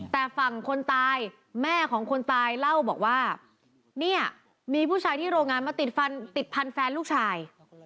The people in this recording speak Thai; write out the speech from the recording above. แต่ฝั่งคนตายแม่ของคนตายเล่าบอกว่าเนี่ยมีผู้ชายที่โรงงานมาติดฟันติดพันธุ์แฟนลูกชาย